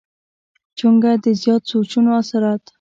چونکه د زيات سوچونو اثرات